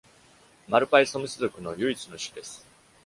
Malpaisomys 属の唯一の種です。